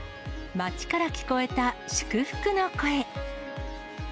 街から聞こえた祝福の声。